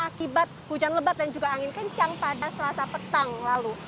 akibat hujan lebat dan juga angin kencang pada selasa petang lalu